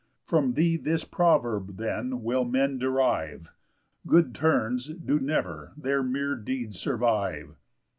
From thee this proverb then will men derive: _Good turns do never their mere deeds survive."